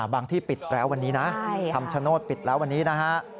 ที่ปิดแล้ววันนี้นะคำชโนธปิดแล้ววันนี้นะฮะ